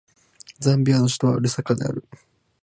ザンビアの首都はルサカである